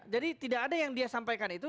jadi tidak ada yang dia sampaikan itu